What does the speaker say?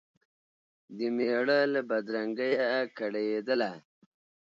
د مېړه له بدرنګیه کړېدله